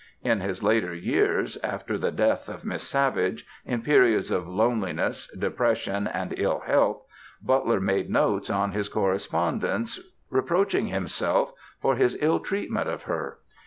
In his later years, after the death of Miss Savage, in periods of loneliness, depression and ill health, Butler made notes on his correspondence reproaching himself for his ill treatment of her.